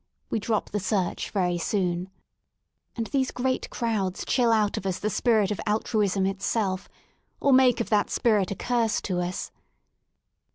We drop the search very soon. And these great crowds chill out of us the spirit of altruism itself, or make of that spirit a curse to us.